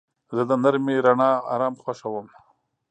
زه د نرمې رڼا آرام خوښوم.